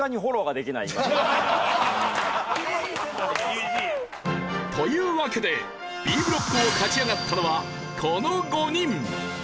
厳しい！というわけでＢブロックを勝ち上がったのはこの５人。